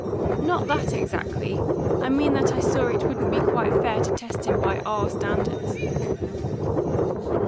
"Not that exactly. I mean that I saw it wouldn't be quite fair to test him by our standards."